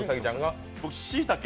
しいたけ。